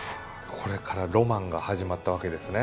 これからロマンが始まったわけですね。